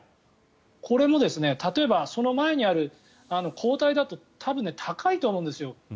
これも例えばその前にある抗体だと多分高いと思うんですよ